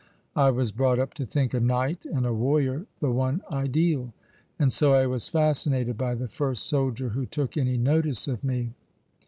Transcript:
" I was brought up to think a knight and a warrior the one ideal : and so I was fascinated by the first soldier who took any notice of me."